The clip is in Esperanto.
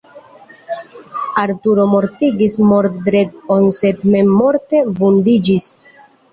Arturo mortigis Mordred-on sed mem morte vundiĝis.